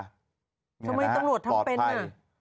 ทำไมตำรวจทำเป็น